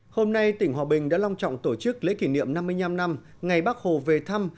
hôm nay tỉnh hòa bình đã long trọng tổ chức lễ kỷ niệm năm mươi năm năm ngày bắc hồ về thăm